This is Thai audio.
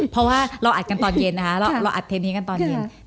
เพราะว่าเราอัดกันตอนเย็นนะคะเราอัดเทนนี้กันตอนเย็น